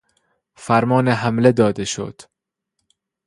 فرمان حمله داده شد